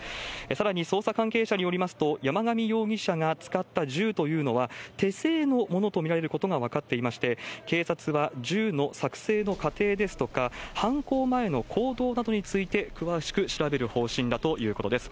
さらに捜査関係者によりますと、山上容疑者が使った銃というのは、手製のものと見られることが分かっていまして、警察は、銃の作製の過程ですとか、犯行前の行動などについて、詳しく調べる方針だということです。